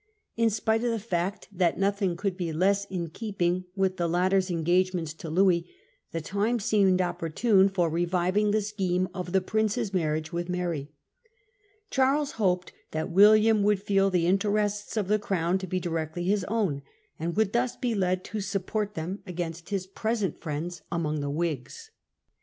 In spite of the fact that nothing could be less in keeping with the latter s engagements to Louis, the time seemed opportune for reviving the scheme Reasons for of the Prince's marriage with Mary. Charles if e wiiHam ge hoped that William would feel the interests of and Mary, the Crown to be directly his own, and would thus be led to support them against his present friends among the Whigs.